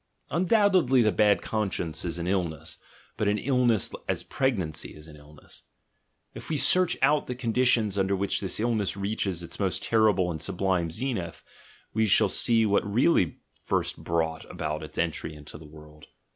Undoubtedly the bad conscience is an illness, but an illness as pregnancy is an illness. If we search out the conditions under which this illness reaches its most ter rible and sublime zenith, we shall see what really first 82 THE GENEALOGY OF MORALS brought about its entry into the world.